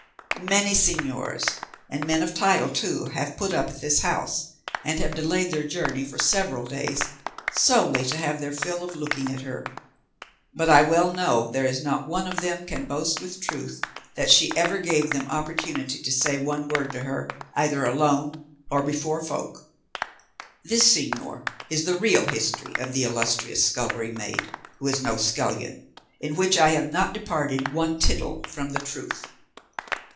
Many señors, and men of title too, have put up at this house, and have delayed their journey for several days solely to have their fill of looking at her; but I well know there is not one of them can boast with truth that she ever gave them opportunity to say one word to her either alone or before folk. This, señor, is the real history of the illustrious scullery maid, who is no scullion, in which I have not departed one tittle from the truth."